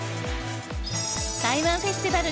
台湾フェスティバル